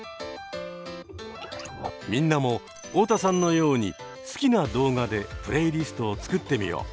みんなも太田さんのように好きな動画でプレイリストを作ってみよう。